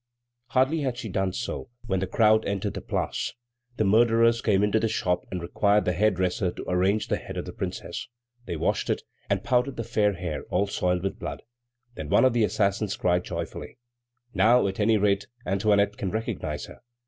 Hardly had she done so when the crowd entered the Place. The murderers came into the shop and required the hairdresser to arrange the head of the Princess. They washed it, and powdered the fair hair, all soiled with blood. Then one of the assassins cried joyfully: "Now, at any rate, Antoinette can recognize her!"